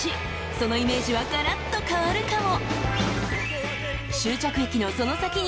そのイメージはガラッと変わるかも］